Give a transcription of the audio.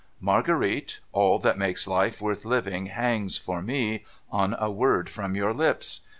Marguerite ! all that makes life worth having hangs, for me, on a word from your lips.